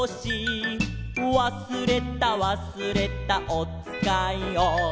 「わすれたわすれたおつかいを」